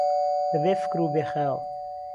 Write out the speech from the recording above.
به بێ فکر و بێ خهیاڵ